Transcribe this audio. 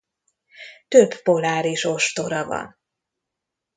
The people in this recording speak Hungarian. Több poláris ostora van.